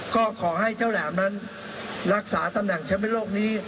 ก็ขอให้เจ้าแหลมนั้นรักษาตำแหน่งแชมป์เป็นโลกนี้